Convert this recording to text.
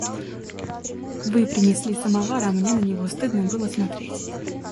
Вы принесли самовар, а мне на него стыдно было смотреть.